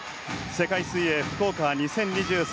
世界水泳福岡２０２３